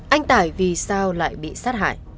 anh tài vì sao lại bị sát hại